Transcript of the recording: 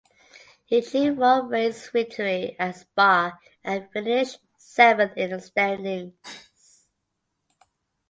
He achieved one race victory at Spa and finished seventh in the standings.